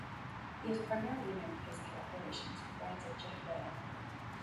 He is primarily known for his collaborations with writer Jeph Loeb.